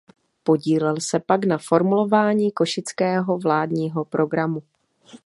Podílel se pak na formulování Košického vládního programu.